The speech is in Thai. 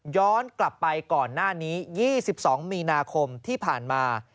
ย้อนกลับไปก่อนหน้านี้๒๒มีนาคมที่ผ่านมา